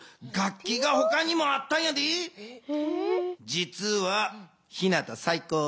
じつはひなた最高！